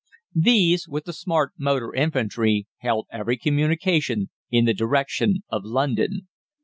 These, with the smart motor infantry, held every communication in the direction of London.